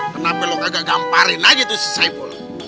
kenapa lu gak gak gamparin aja tuh si saipul